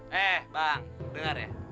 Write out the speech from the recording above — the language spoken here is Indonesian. hei bang dengar ya